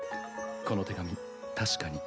この手紙確かに。